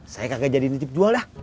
saya kagak jadi nitip jual